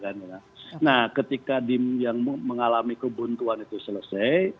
nah ketika dim yang mengalami kebuntuan itu selesai